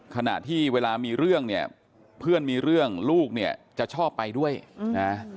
ขณะที่เวลามีเรื่องเนี่ยเพื่อนมีเรื่องลูกเนี่ยจะชอบไปด้วยนะ